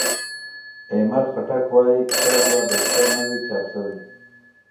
ایمل خټک وايي کتاب لا بشپړ نه دی چاپ شوی.